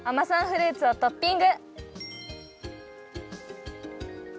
フルーツをトッピング！